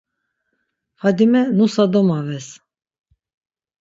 Fadime nusa domaves.